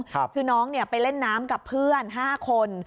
คือน้องเนี่ยไปเล่นน้ำกับเพื่อน๕คน